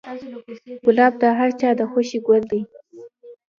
ګلاب د هر چا د خوښې ګل دی.